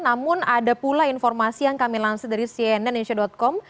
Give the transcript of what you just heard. namun ada pula informasi yang kami lansir dari cnn indonesia com